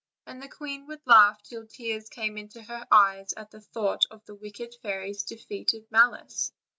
And the queen would laugh till tears came into her eyes, at the thought of the wicked fairy's defeated malice.